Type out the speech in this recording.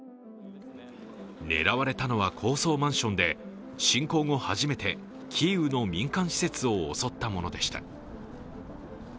狙われたのは高層マンションで侵攻後初めてキーウの民間施設を襲ったものでした。